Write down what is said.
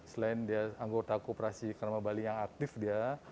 selain dia anggota koperasi krama bali yang aktif dia